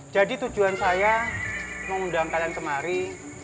jadi tujuan saya mengundang kalian kemari